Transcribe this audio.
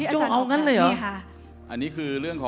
โจ้เอางั้นเลยเหรอ